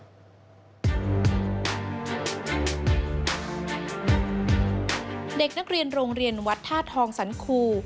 เด็กนักเรียนโรงเรียนวัดธาตุทองสันคู